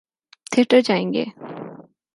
Theatre جائیں گے۔